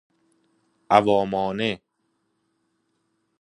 عوامانه